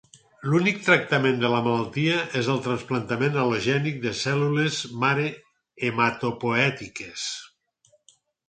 L'únic tractament de la malaltia és el trasplantament al·logènic de cèl·lules mare hematopoètiques.